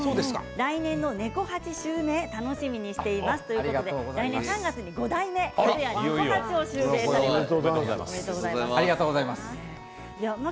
来年の猫八襲名楽しみにしていますということで来年３月に五代目江戸家猫八を襲名されます。